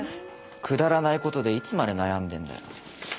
くだらない事でいつまで悩んでんだよ。